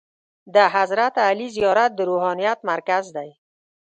د حضرت علي زیارت د روحانیت مرکز دی.